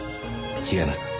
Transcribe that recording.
違いますか？